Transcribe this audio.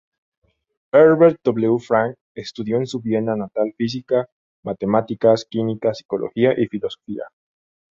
Herbert W. Franke estudió en su Viena natal física, matemáticas, química, psicología y filosofía.